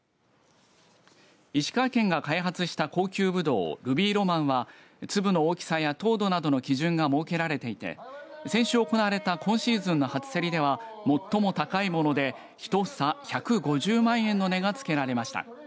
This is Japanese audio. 石川県が開発した高級ぶどうルビーロマンは粒の大きさや糖度などの基準が設けられていて先週行われた今シーズンの初競りでは最も高いもので１房１５０万円の値がつけられました。